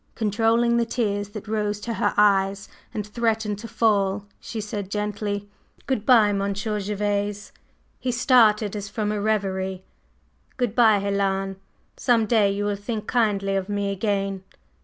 Controlling the tears that rose to her eyes and threatened to fall, she said gently, "Good bye, Monsieur Gervase!" He started as from a reverie. "Good bye, Helen! Some day you will think kindly of me again?"